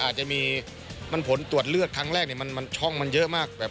จะมีผมผลตรวจเลือดครั้งแรกนี้บางช่องมันเยอะมาก